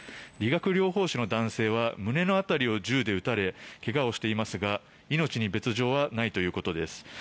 理学療法士の男性は胸の辺りを銃で撃たれ怪我をしていますが命に別条はないということです。